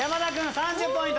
３０ポイント。